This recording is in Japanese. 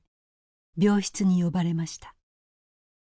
病室に呼ばれました。